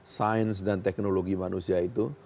sains dan teknologi manusia itu